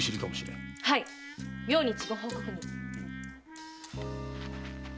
はい明日ご報告に。